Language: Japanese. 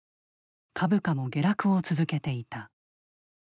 株価も下落を続けていた。